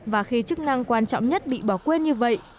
và khi chức năng quan trọng nhất bị bỏ quên như vậy